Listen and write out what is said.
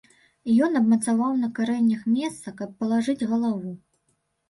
Ён абмацаў на карэннях месца, каб палажыць галаву.